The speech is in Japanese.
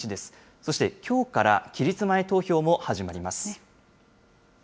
そしてきょうから期日前投票も始まります。